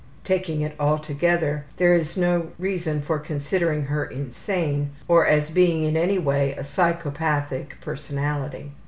Taking it altogether, there was no reason for considering her insane, or as being in any way a psychopathic personality.